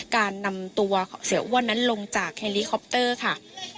การนำตัวเสียอ้วนนั้นลงจากเฮลิคอปเตอร์ค่ะ